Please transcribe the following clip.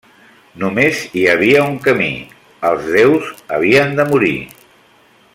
Només hi havia un camí: els déus havien de morir.